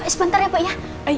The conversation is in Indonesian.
sebentar ya pak ya